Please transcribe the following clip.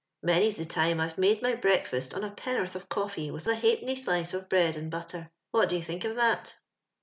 Mon/s the time Tre made my breakfast on a pen'orth of coffee and a halfpenny slice of bread and butter. "What do you think of that